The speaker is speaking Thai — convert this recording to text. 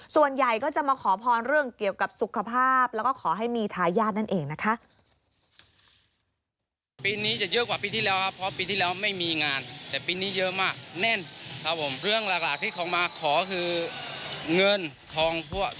ส่วนใหญ่ก็จะมาขอพรเรื่องเกี่ยวกับสุขภาพแล้วก็ขอให้มีทายาทนั่นเองนะคะ